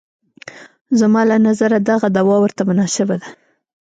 زما له نظره دغه دوا ورته مناسبه ده.